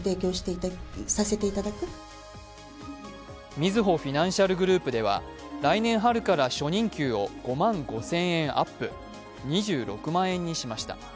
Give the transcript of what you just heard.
みずほフィナンシャルグループでは来年春から初任給を５万５０００円アップ２６万円にしました。